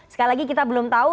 sekali lagi kita belum tahu